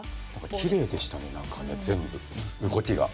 きれいでしたねなんかね全部動きが。